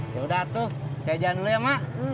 yaudah tuh saya jalan dulu ya mak